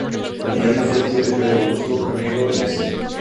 Aureliano fue el tío de Pedro Augusto Carneiro Lessa.